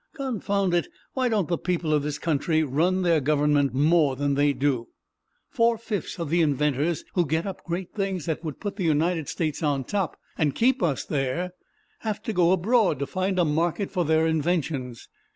"Confound it, why don't the people of this country run their government more than they do? Four fifths of the inventors who get up great things that would put the United States on top, and keep us there, have to go abroad to find a market for their inventions!